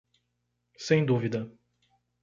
Sem dúvida.